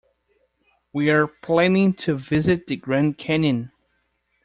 We are planning to visit the Grand Canyon.